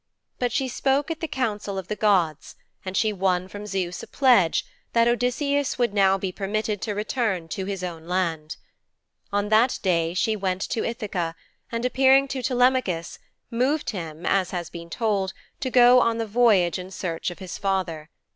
But she spoke at the council of the gods, and she won from Zeus a pledge that Odysseus would now be permitted to return to his own land. On that day she went to Ithaka, and, appearing to Telemachus, moved him, as has been told, to go on the voyage in search of his father.